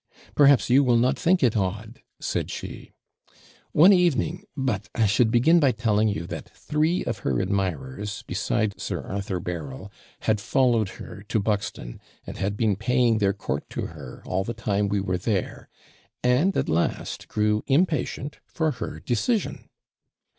'Perhaps you will not think it odd,' said she. 'One evening but I should begin by telling you that three of her admirers, beside Sir Arthur Berryl, had followed her to Buxton, and had been paying their court to her all the time we were there; and at last grew impatient for her decision.'